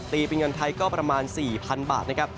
เป็นเงินไทยก็ประมาณ๔๐๐๐บาทนะครับ